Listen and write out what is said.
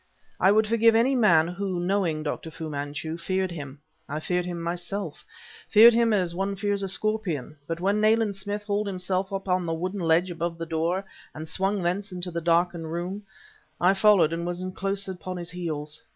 I would forgive any man who, knowing Dr. Fu Manchu, feared him; I feared him myself feared him as one fears a scorpion; but when Nayland Smith hauled himself up on the wooden ledge above the door and swung thence into the darkened room, I followed and was in close upon his heels.